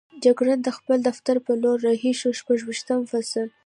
جګړن د خپل دفتر په لور رهي شو، شپږویشتم فصل.